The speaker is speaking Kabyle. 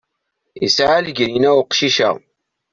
Yesɛa legrina uqcic-a.